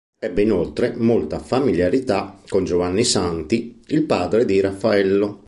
Ebbe inoltre molta familiarità con Giovanni Santi, il padre di Raffaello.